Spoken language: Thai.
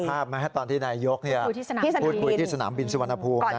มีภาพไหมครับตอนที่นายโยกพูดพูดที่สนามบินสุวรรณภูมินะ